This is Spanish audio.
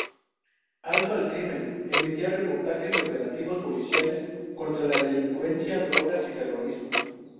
Alto al crimen emitía reportajes de operativos policiales contra la delincuencia, drogas y terrorismo.